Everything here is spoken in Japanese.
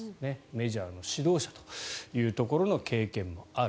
メジャーの指導者というところの経験もある。